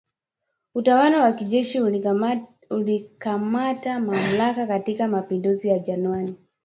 Utawala wa kijeshi ulikamata mamlaka katika mapinduzi ya Januari